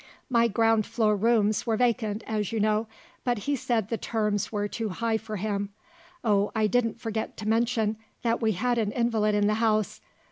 My ground floor rooms were vacant, as you know but he said the terms were too high for him. Oh, I didn't forget to mention that we had an invalid in the house!